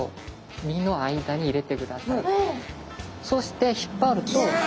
そしてひっぱると。